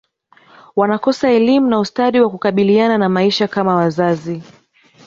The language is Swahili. wanakosa elimu na ustadi wa kukabiliana na maisha kama wazazi